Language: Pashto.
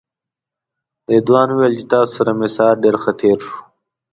رضوان ویل چې تاسو سره مې ساعت ډېر ښه تېر شو.